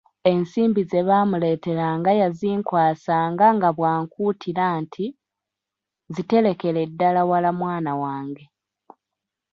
Ensimbi ze baamuleeteranga yazinkwasanga nga bw'ankuutira nti, "ziterekere ddala wala mwana wange."